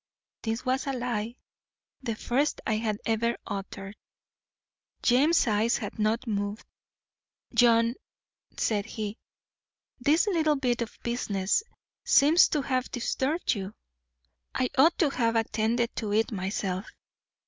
This was a lie the first I had ever uttered. James's eyes had not moved. 'John,' said he, 'this little bit of business seems to have disturbed you. I ought to have attended to it myself.